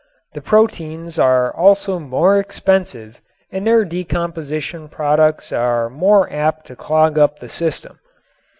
The proteins are also more expensive and their decomposition products are more apt to clog up the system.